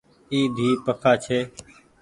اي ۮي پکآن ڇي